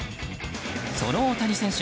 その大谷選手